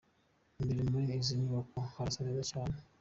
Imbere muri izi nyubako harasa neza cyane.